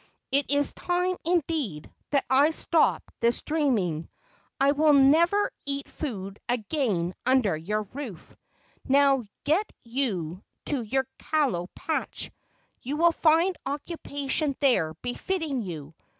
It is time, indeed, that I stopped this dreaming! I will never eat food again under your roof. Now get you to your kalo patch; you will find occupation there befitting you!